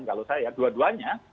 kalau saya dua duanya